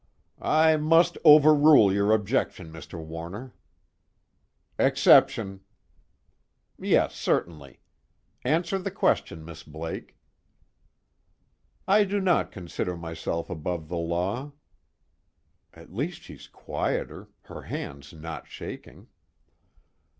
"I must overrule your objection, Mr. Warner." "Exception." "Yes, certainly. Answer the question, Miss Blake." "I do not consider myself above the law." _At least she's quieter; her hands not shaking.